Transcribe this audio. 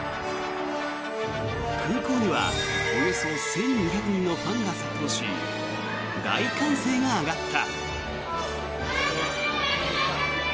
空港には、およそ１２００人のファンが殺到し大歓声が上がった。